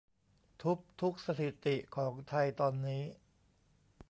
ทุบทุกสถิติของไทยตอนนี้